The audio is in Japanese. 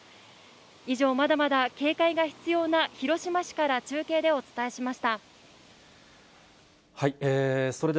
以上、まだまだ警戒が必要な広島市から中継でお伝えしました。